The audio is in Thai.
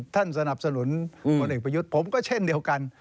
สนับสนุนพลเอกประยุทธ์ผมก็เช่นเดียวกัน